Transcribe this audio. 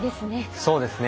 そうですね